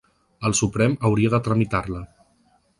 El Suprem hauria de tramitar-la.